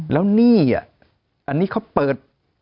แล้วนี่อันนี้เขาเปิด